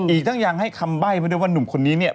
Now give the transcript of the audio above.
อีกทั้งยังให้คำใบ้มาด้วยว่าหนุ่มคนนี้เนี่ย